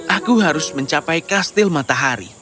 aku harus mencapai kastil matahari